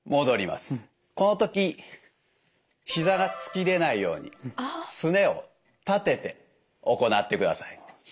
この時ひざが突き出ないようにすねを立てて行ってください。